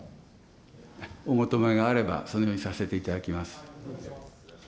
お求めがあれば、そのようにさせていただきます。